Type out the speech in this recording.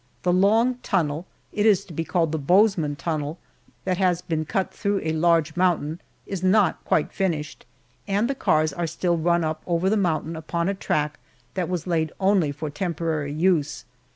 The long tunnel it is to be called the Bozeman tunnel that has been cut through a large mountain is not quite finished, and the cars are still run up over the mountain upon a track that was laid only for temporary use.